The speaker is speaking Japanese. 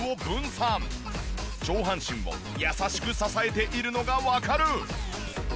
上半身を優しく支えているのがわかる。